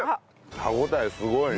歯応えすごいね。